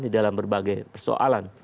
di dalam berbagai persoalan